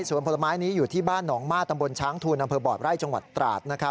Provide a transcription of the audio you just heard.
ส่วนผลไม้นี้อยู่ที่บ้านหนองม่าตำบลช้างทูลอำเภอบ่อไร่จังหวัดตราด